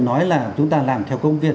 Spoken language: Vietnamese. nói là chúng ta làm theo công viên